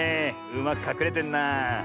うまくかくれてんなあ。